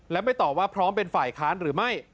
และไม่ตอบว่าพร้อมเป็นฝ่ายค้านหรือไม่